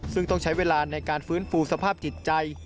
ซึ่งต้องใช้เวลาในการฟื้นฟูสภาพจิตใจ